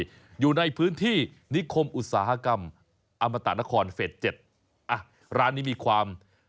อยู่ในพื้นที่นิคมอุตสาหกรรมอมตะนครเฟสเจ็ดอ่ะร้านนี้มีความ